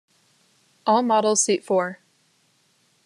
All models seat four.